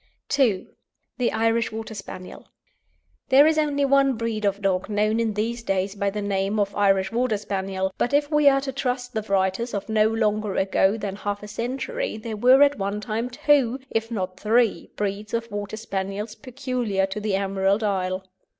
II. THE IRISH WATER SPANIEL. There is only one breed of dog known in these days by the name of Irish Water Spaniel, but if we are to trust the writers of no longer ago than half a century there were at one time two, if not three, breeds of Water Spaniels peculiar to the Emerald Isle.